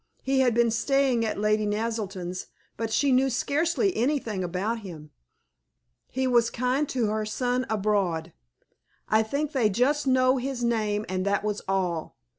He had been staying at Lady Naselton's, but she knew scarcely anything about him. He was kind to her son abroad. I think they just know his name and that was all.